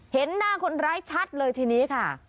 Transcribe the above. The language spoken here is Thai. เห็นหน้าคนร้ายชัดเลยทีนี้ค่ะ